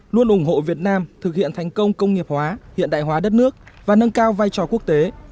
luôn ủng hộ việt nam thực hiện thành công công nghiệp hóa hiện đại hóa đất nước và nâng cao vai trò quốc tế